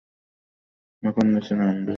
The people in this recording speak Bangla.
এখন নিচে নামাবে?